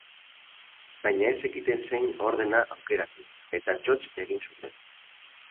Baina ez zekiten zein ordena aukeratu, eta txotx egin zuten.